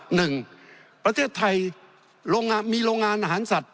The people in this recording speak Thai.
หนึ่งประเทศไทยมีโรงงานอาหารสัตว